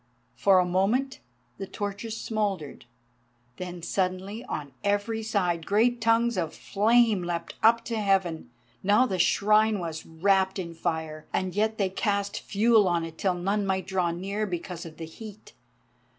For a moment the torches smouldered, then suddenly on every side great tongues of flame leapt up to heaven. Now the Shrine was wrapped in fire, and yet they cast fuel on it till none might draw near because of the heat.